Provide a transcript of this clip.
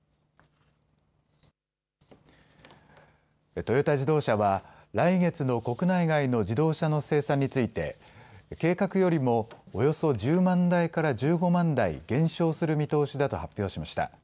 トヨタ自動車は来月の国内外の自動車の生産について計画よりも、およそ１０万台から１５万台減少する見通しだと発表しました。